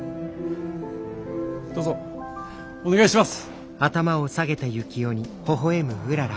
どうぞお願いします！